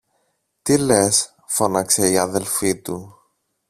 Τι λες! φώναξε η αδελφή του.